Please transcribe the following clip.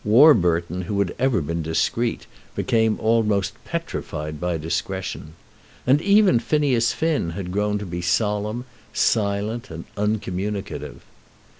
Warburton, who had ever been discreet, became almost petrified by discretion. And even Phineas Finn had grown to be solemn, silent, and uncommunicative.